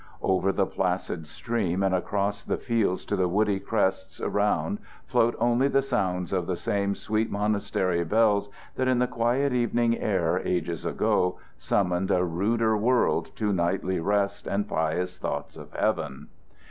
Over the placid stream and across the fields to the woody crests around float only the sounds of the same sweet monastery bells that in the quiet evening air ages ago summoned a ruder world to nightly rest and pious thoughts of heaven.